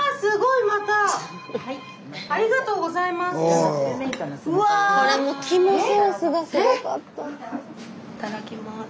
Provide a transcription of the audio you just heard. いただきます。